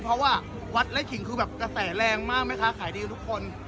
เพราะว่าวัดไล่ขิงคือแบบกระแสแรงมากแม่ค้าขายดีทุกคน